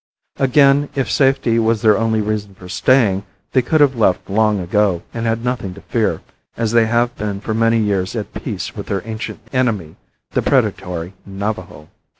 Again, if safety was their only reason for staying, they could have left long ago and had nothing to fear, as they have been for many years at peace with their ancient enemy the predatory Navajo.